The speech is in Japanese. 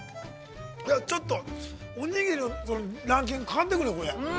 ちょっと、おにぎりのランキング変わってくるな、これ。